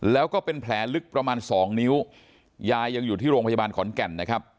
แล้วก็เป็นแผลลึกประมาณสองนิ้วยายยังอยู่ที่โรงพยาบาลขอนแก่นนะครับ